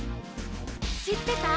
「しってた？」